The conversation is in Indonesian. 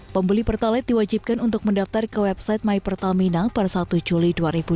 pembeli pertalite diwajibkan untuk mendaftar ke website my pertamina pada satu juli dua ribu dua puluh